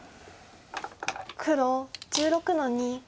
黒１６の二。